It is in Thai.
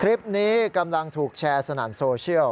คลิปนี้กำลังถูกแชร์สนั่นโซเชียล